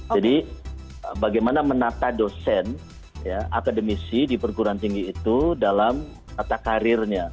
jadi bagaimana menata dosen akademisi di perguruan tinggi itu dalam kata karirnya